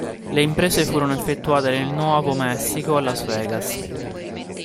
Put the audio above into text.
Le riprese furono effettuate nel Nuovo Messico, a Las Vegas.